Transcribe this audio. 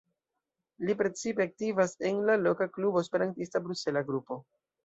Li precipe aktivas en la loka klubo Esperantista Brusela Grupo.